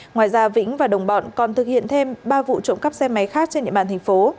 ngoài ra vĩnh và đồng bọn còn thực hiện thêm ba vụ trộm cắp xe máy khác trên địa bàn thành phố